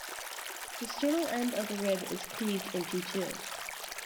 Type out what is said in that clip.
The sternal end of the rib is cleaved into two.